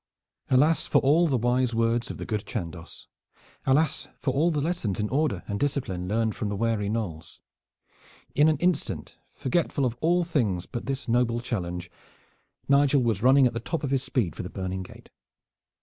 Alas for all the wise words of the good Chandos! Alas for all the lessons in order and discipline learned from the wary Knolles. In an instant, forgetful of all things but this noble challenge, Nigel was running at the top of his speed for the burning gate.